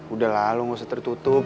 udahlah lo gak usah tertutup